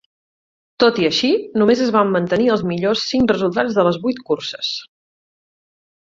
Tot i així, només es van mantenir els millors cinc resultats de les vuit curses.